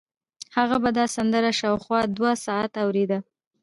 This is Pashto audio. هغه به دا سندره شاوخوا دوه ساعته اورېده